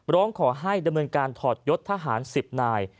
ร้องขอให้ดำเนินการถอดยศทหาร๑๐นาย